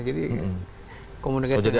jadi komunikasi yang berpelan